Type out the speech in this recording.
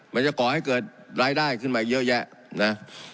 จะก่อให้เกิดรายได้ขึ้นมาเยอะแยะนะ